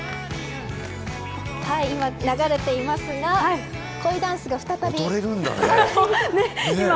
今、流れていますが恋ダンスが再び。